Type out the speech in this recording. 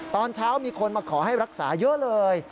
ตอนเช้ามีคนมาขอให้รักษาเยอะเลย